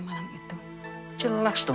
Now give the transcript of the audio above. jangan kejar panah